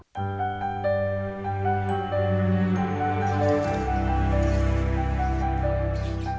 jadi semangatnya memang dari semangat sekolah itu